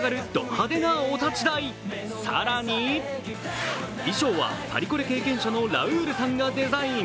派手なお立ち台、更に、衣装はパリコレ経験者のラウールさんがデザイン。